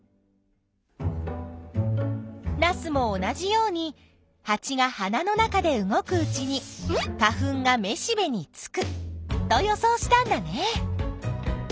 ナスも同じようにハチが花の中で動くうちに花粉がめしべにつくと予想したんだね。